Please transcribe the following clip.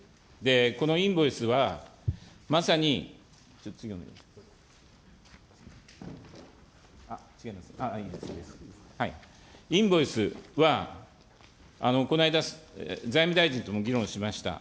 このインボイスは、まさに、インボイスは、この間、財務大臣とも議論しました。